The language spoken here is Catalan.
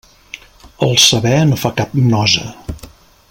El saber no fa cap nosa.